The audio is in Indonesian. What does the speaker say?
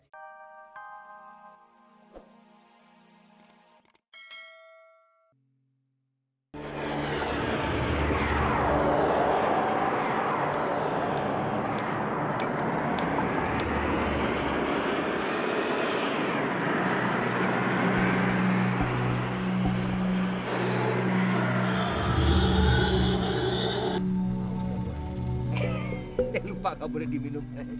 jangan lupa kau boleh diminum